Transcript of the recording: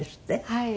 はい。